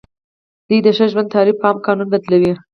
دوی د ښه ژوند تعریف په عام قانون بدلوي.